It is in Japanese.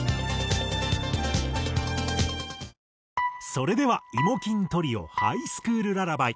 それではイモ欽トリオ『ハイスクールララバイ』。